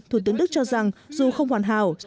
thủ tướng đức cho rằng dù không hoàn hảo